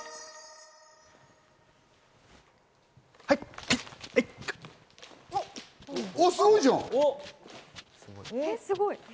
はい！